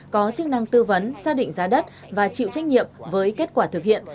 có chức năng tư vấn xác định giá đất và chịu trách nhiệm với kết quả thực hiện